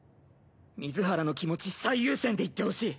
水原の気持ち最優先でいってほしい。